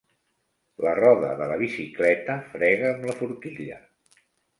La roda de la bicicleta frega amb la forquilla.